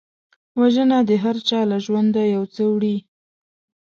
وژنه د هرچا له ژونده یو څه وړي